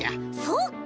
そっか！